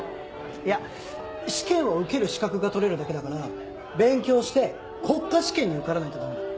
いや試験を受ける資格が取れるだけだから勉強して国家試験に受からないとダメだ。